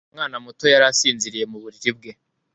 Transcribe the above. Umwana muto yari asinziriye mu buriri bwe